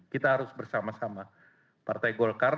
kita harus bersama sama partai golkar